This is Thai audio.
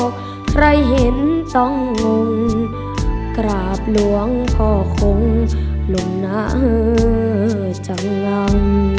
ใครเห็นต้องงงกราบหลวงพ่อคงลงหน้าจัง